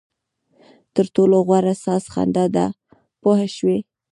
تر ټولو غوره ساز خندا ده پوه شوې!.